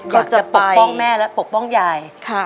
อยากจะปกป้องแม่และปกป้องยาย